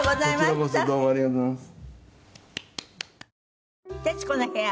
こちらこそどうもありがとうございます。